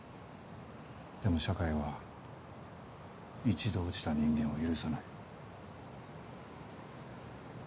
でも社会は一度落ちた人間を許さない。